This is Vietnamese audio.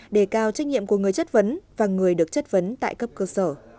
để cao trách nhiệm của người chất vấn và người được chất vấn tại cấp cơ sở